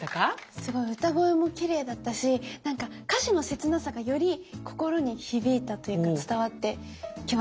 すごい歌声もきれいだったしなんか歌詞の切なさがより心に響いたというか伝わってきました。